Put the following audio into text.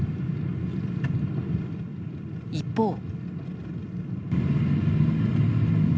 一方。